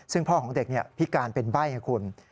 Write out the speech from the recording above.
ซึ่งพ่อของเด็กพิการเป็นใบ้ให้คุณ